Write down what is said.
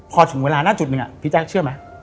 พอถึงเวลาหน้าจุดหนึ่งพี่แจ๊คเชื่อไหม